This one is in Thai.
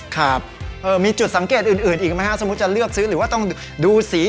ครับมีจุดสังเกตอื่นอีกไหมฮะสมมุติจะเลือกซื้อหรือว่าต้องดูสี